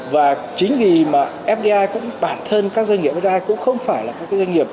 và chính vì mà fdi cũng bản thân các doanh nghiệp fdi cũng không phải là các doanh nghiệp